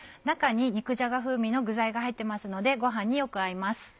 中に肉じゃが風味の具材が入ってますのでご飯によく合います。